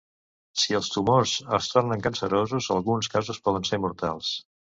Si els tumors es tornen cancerosos, alguns casos poden ser mortals.